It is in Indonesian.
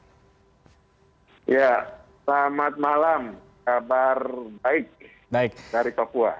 ya selamat malam kabar baik dari papua